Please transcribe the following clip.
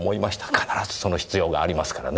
必ずその必要がありますからね。